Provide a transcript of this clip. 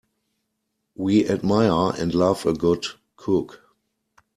We admire and love a good cook.